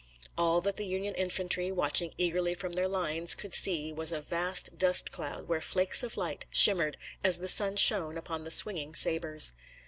All that the Union infantry, watching eagerly from their lines, could see, was a vast dust cloud where flakes of light shimmered as the sun shone upon the swinging sabers.